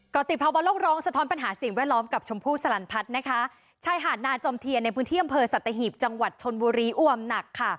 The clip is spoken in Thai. ติภาวะโลกร้องสะท้อนปัญหาสิ่งแวดล้อมกับชมพู่สลันพัฒน์นะคะชายหาดนาจอมเทียนในพื้นที่อำเภอสัตหีบจังหวัดชนบุรีอวมหนักค่ะ